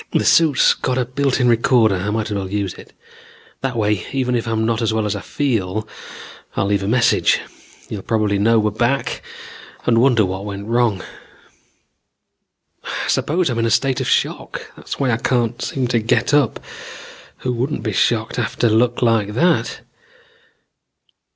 This suit's got a built in recorder, I might as well use it. That way even if I'm not as well as I feel, I'll leave a message. You probably know we're back and wonder what went wrong. "I suppose I'm in a state of shock. That's why I can't seem to get up. Who wouldn't be shocked after luck like that?